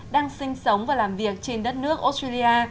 đang sinh sống và làm việc trên đất nước australia